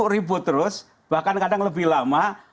ribut terus bahkan kadang lebih lama